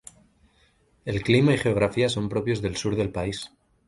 El clima y geografía son propios del sur del país.